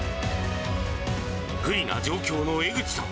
不利な状況の江口さん。